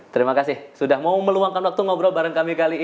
terima kasih sudah mau meluangkan waktu ngobrol bareng kami kali ini